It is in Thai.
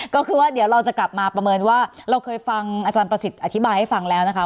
ก็คือว่าเดี๋ยวเราจะกลับมาประเมินว่าเราเคยฟังอาจารย์ประสิทธิ์อธิบายให้ฟังแล้วนะคะ